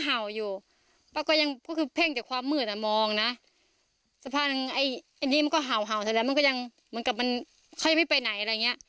เหมือนกับมันเขายังไม่ไปไหนอะไรอย่างเงี้ย